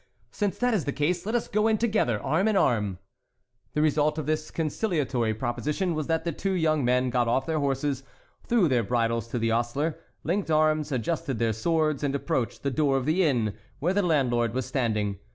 "Since that is the case, let us go in together, arm in arm." The result of this conciliatory proposition was that the two young men got off their horses, threw the bridles to the ostler, linked arms, adjusted their swords, and approached the door of the inn, where the landlord was standing.